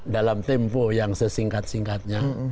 dalam tempo yang sesingkat singkatnya